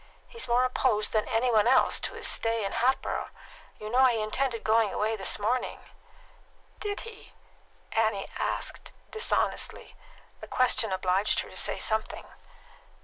He's more opposed than any one else to his stay in Hatboro'. You know he intended going away this morning?" "Did he?" Annie asked dishonestly. The question obliged her to say something.